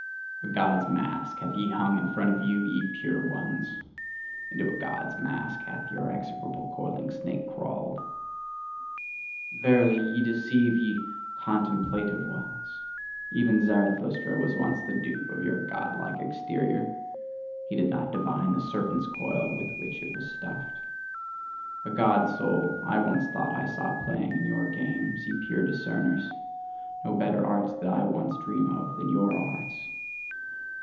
A God's mask have ye hung in front of you, ye "pure ones": into a God's mask hath your execrable coiling snake crawled. Verily ye deceive, ye "contemplative ones!" Even Zarathustra was once the dupe of your godlike exterior; he did not divine the serpent's coil with which it was stuffed. A God's soul, I once thought I saw playing in your games, ye pure discerners! No better arts did I once dream of than your arts!